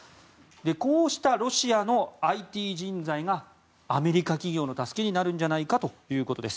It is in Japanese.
こうしたロシアのＩＴ人材がアメリカ企業の助けになるんじゃないかということです。